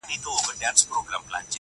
سترګي توري د هوسۍ قد یې چینار وو!